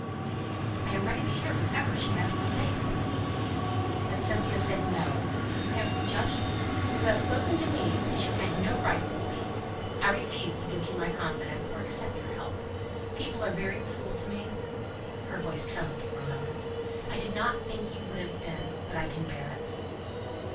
"I am ready to hear whatever she has to say," said he. But Cynthia said, "No! you have prejudged me; you have spoken to me as you had no right to speak. I refuse to give you my confidence, or accept your help. People are very cruel to me" her voice trembled for a moment "I did not think you would have been. But I can bear it."